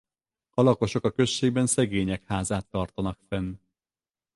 A lakosok a községben szegények házát tartanak fenn.